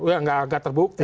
ya enggak agak terbukti